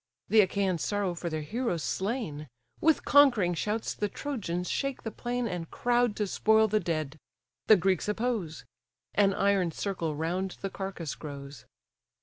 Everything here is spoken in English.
The Achaians sorrow for their heroes slain; With conquering shouts the Trojans shake the plain, And crowd to spoil the dead: the Greeks oppose; An iron circle round the carcase grows.